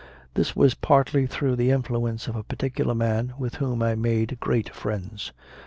This was partly through the influence of a particular man with whom I made great friends.